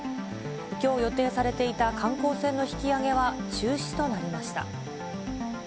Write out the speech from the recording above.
きょう予定されていた観光船の引き揚げは中止となりました。